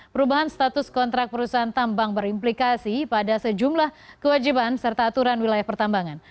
perubahan status kontrak perusahaan tambang berimplikasi pada sejumlah kewajiban serta aturan wilayah pertambangan